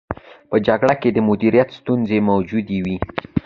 په جګړه کې د مدیریت ستونزې موجودې وې.